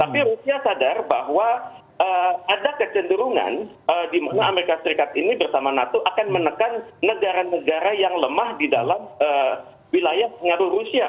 tapi rusia sadar bahwa ada kecenderungan di mana amerika serikat ini bersama nato akan menekan negara negara yang lemah di dalam wilayah pengaruh rusia